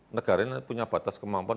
negara ini punya batas kemampuan